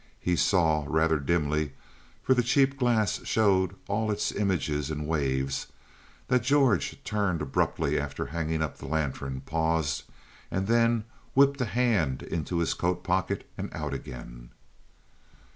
He saw rather dimly, for the cheap glass showed all its images in waves that George turned abruptly after hanging up the lantern, paused, and then whipped a hand into his coat pocket and out again.